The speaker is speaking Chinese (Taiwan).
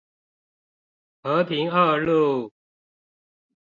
和平二路